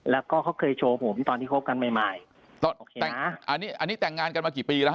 แล้วก็เขาเคยโชว์ผมตอนที่คบกันใหม่ใหม่ก็โอเคแต่งนะอันนี้อันนี้แต่งงานกันมากี่ปีแล้วฮ